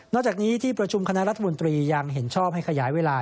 จากนี้ที่ประชุมคณะรัฐมนตรียังเห็นชอบให้ขยายเวลา